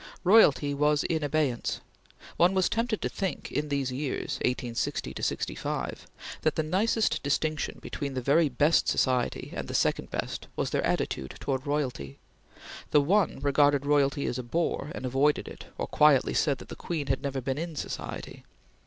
Royalty was in abeyance. One was tempted to think in these years, 1860 65, that the nicest distinction between the very best society and the second best, was their attitude towards royalty. The one regarded royalty as a bore, and avoided it, or quietly said that the Queen had never been in society.